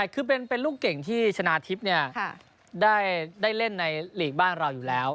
คือเป็นลูกเก่งที่ชนะทิพย์ได้เล่นในหลีกบ้านเราอยู่แล้ว